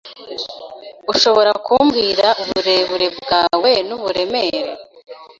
Ushobora kumbwira uburebure bwawe n'uburemere?